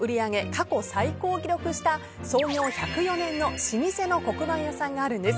過去最高を記録した創業１０４年の老舗の黒板屋さんがあるんです。